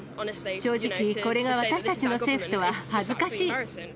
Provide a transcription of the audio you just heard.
正直、これが私たちの政府とは恥ずかしい。